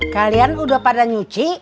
kalian udah pada nyuci